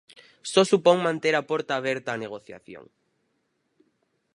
Só supón manter a porta aberta á negociación.